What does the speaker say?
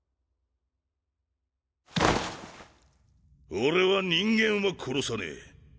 俺は人間は殺さねえ。